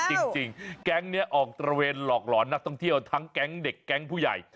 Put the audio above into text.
จริงแก๊งนี้ออกตระเวนหลอกหลอนนักท่องเที่ยวทั้งแก๊งเด็กแก๊งผู้ใหญ่